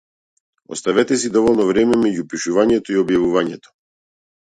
Оставете си доволно време меѓу пишувањето и објавувањето.